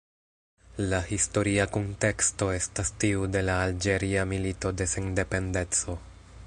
La historia kunteksto estas tiu de la Alĝeria Milito de Sendependeco.